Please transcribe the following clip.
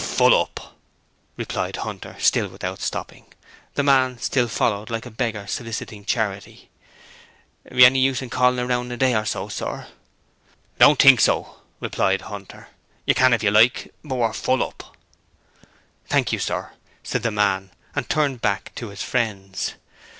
'Full up,' replied Hunter, still without stopping. The man still followed, like a beggar soliciting charity. 'Be any use calling in a day or so, sir?' 'Don't think so,' Hunter replied. 'Can if you like; but we're full up.' 'Thank you, sir,' said the man, and turned back to his friends.